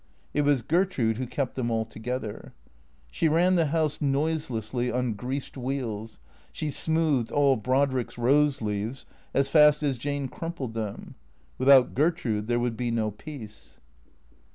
It was Gertrude who kept them all together. She ran the house noiselessly on greased wheels, she smoothed all Brodrick's rose leaves as fast as Jane crumpled them. Without Gertrude there would be no peace.